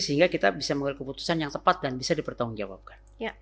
sehingga kita bisa mengambil keputusan yang tepat dan bisa dipertanggungjawabkan